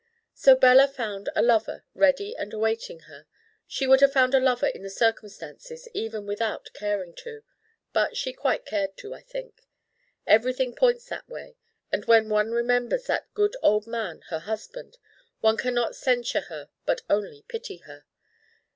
So Bella found a lover ready and awaiting her. She would have found a lover in the circumstances even without caring to. But she quite cared to, I think. Everything points that way, and when one remembers that good old man her husband one can not censure her but only pity her.